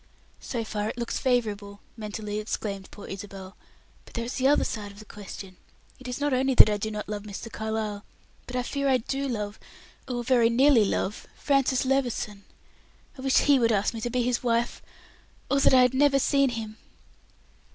"So far it looks favorable," mentally exclaimed poor Isabel, "but there is the other side of the question. It is not only that I do not love Mr. Carlyle, but I fear I do love, or very nearly love, Francis Levison. I wish he would ask me to be his wife! or that I had never seen him."